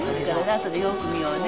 あとでよーく見ようね。